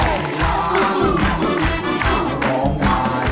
คุณหมาร้องได้ร้องได้